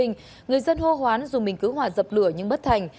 người dân hô hoán dù mình cứu hỏa dập lửa nhưng bất thành